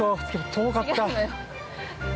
遠かった。